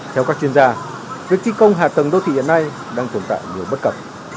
theo các chuyên gia việc thi công hạ tầng đô thị hiện nay đang tồn tại nhiều bất cập